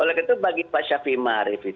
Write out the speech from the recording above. oleh itu bagi pak syafiq marah